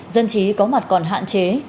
dân chí có mặt còn hạn chế